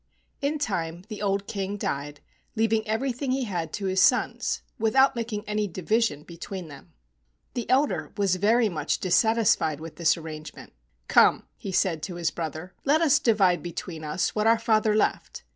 In time the old King died, leaving every¬ thing he had to his sons without making any division between them. The elder was very much dissatisfied with this arrangement. "Come," said he to his brother, "let us divide between us what our father left.